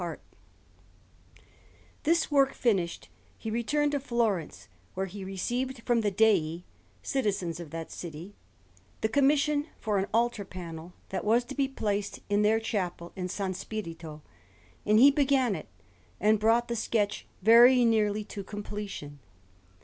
Rome: The Vatican_) Anderson] This work finished, he returned to Florence, where he received from the Dei, citizens of that city, the commission for an altar panel that was to be placed in their chapel in S. Spirito; and he began it, and brought the sketch very nearly to completion.